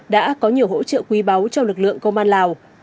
đã có nhiều hỗ trợ quý báu cho lực lượng công an lào